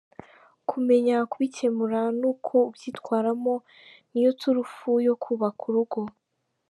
Kumenya kubikemura n’uko ubyitwaramo niyo turufu yo kubaka urugo.